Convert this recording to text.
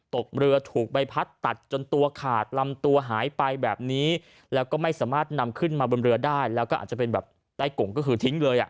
ตกเรือถูกใบพัดตัดจนตัวขาดลำตัวหายไปแบบนี้แล้วก็ไม่สามารถนำขึ้นมาบนเรือได้แล้วก็อาจจะเป็นแบบใต้กงก็คือทิ้งเลยอ่ะ